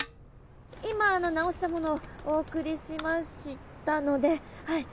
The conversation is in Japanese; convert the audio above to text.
今直したものをお送りしましたのでは